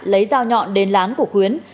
lấy dao nhọn đến lán của khuyến